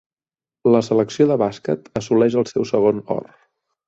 La selecció de bàsquet assoleix el seu segon or.